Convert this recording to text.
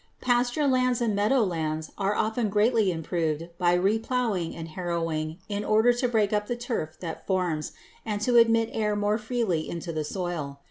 Pasture lands and meadow lands are often greatly improved by replowing and harrowing in order to break up the turf that forms and to admit air more freely into the soil.